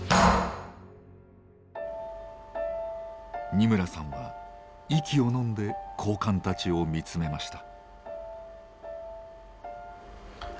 二村さんは息をのんで高官たちを見つめました。